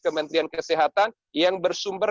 kementerian kesehatan yang bersumber